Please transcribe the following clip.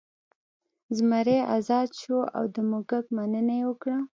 زمری ازاد شو او د موږک مننه یې وکړه.